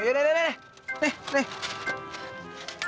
oh yaudah nih nih nih